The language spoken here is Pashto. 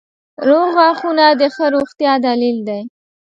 • روغ غاښونه د ښه روغتیا دلیل دی.